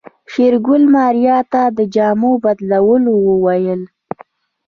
شېرګل ماريا ته د جامو بدلولو وويل.